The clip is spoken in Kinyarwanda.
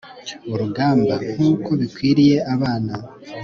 urugamba, nk'uko bikwiriye abana